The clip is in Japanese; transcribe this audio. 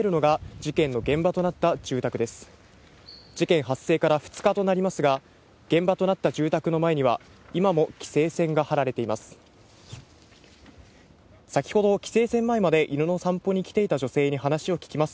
事件発生から２日となりますが、現場となった住宅の前には今も規制線が張られています。